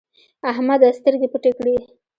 احمده سترګې پټې کړې.